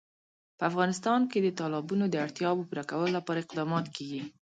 په افغانستان کې د تالابونه د اړتیاوو پوره کولو لپاره اقدامات کېږي.